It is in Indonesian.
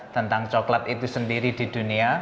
tentang coklat itu sendiri di dunia